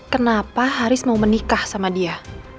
kenapa haris mau menikah sama dia